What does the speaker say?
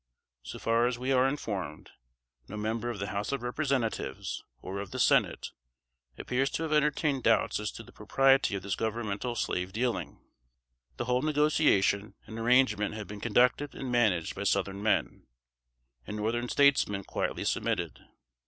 So far as we are informed, no member of the House of Representatives, or of the Senate, appears to have entertained doubts as to the propriety of this governmental slave dealing. The whole negotiation and arrangement had been conducted and managed by Southern men, and Northern statesmen quietly submitted.